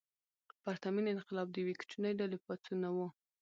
پرتمین انقلاب د یوې کوچنۍ ډلې پاڅون نه و.